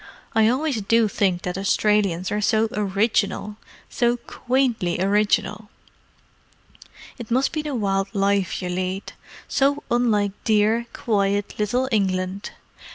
I always do think that Australians are so original—so quaintly original. It must be the wild life you lead. So unlike dear, quiet little England.